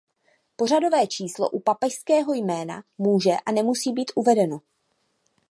Pořadové číslo u papežského jména může a nemusí být uvedeno.